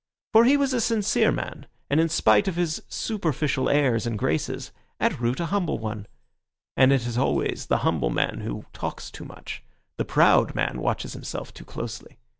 For he was a sincere man, and in spite of his superficial airs and graces, at root a humble one. And it is always the humble man who talks too much; the proud man watches himself too closely.